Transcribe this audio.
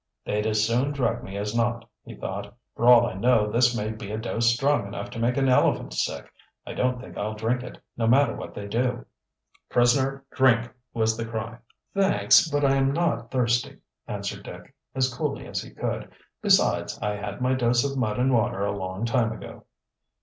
"They'd as soon drug me as not," he thought. "For all I know this may be a dose strong enough to make an elephant sick. I don't think I'll drink it, no matter what they do." "Prisoner, drink!" was the cry. "Thanks, but I am not thirsty," answered Dick, as coolly as he could. "Besides, I had my dose of mud and water a long time ago."